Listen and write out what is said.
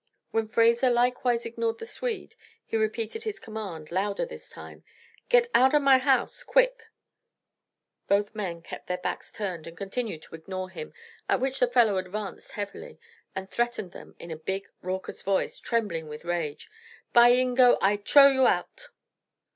When Fraser likewise ignored the Swede, he repeated his command, louder this time. "Get out of may house, quick!" Both men kept their backs turned and continued to ignore him, at which the fellow advanced heavily, and threatened them in a big, raucous voice, trembling with rage: "By Yingo, Ay trow you out!"